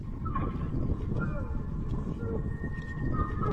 o کارگه د زرکي تگ کاوه، خپل دا ئې هېر سو.